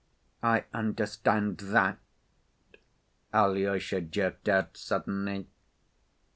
"I understand that," Alyosha jerked out suddenly.